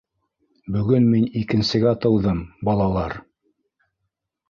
- Бөгөн мин икенсегә тыуҙым, балалар!